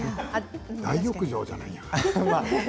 大浴場じゃない。